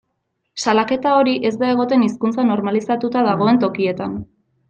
Salaketa hori ez da egoten hizkuntza normalizatuta dagoen tokietan.